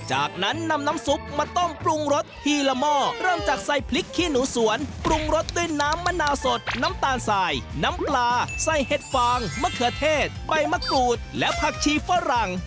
จากนั้นนำน้ำซุปมาต้มปรุงรสทีละหม้อเริ่มจากใส่พริกขี้หนูสวนปรุงรสด้วยน้ำมะนาวสดน้ำตาลสายน้ำปลาใส่เห็ดฟางมะเขือเทศใบมะกรูดและผักชีฝรั่ง